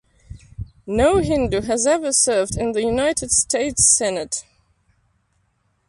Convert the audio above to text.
No Hindu has ever served in the United States Senate.